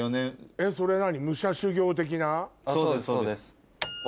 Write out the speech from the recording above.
えっそれ何？